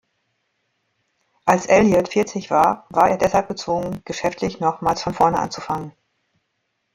Als Elliot vierzig war, war er deshalb gezwungen, geschäftlich nochmals von Vorne anzufangen.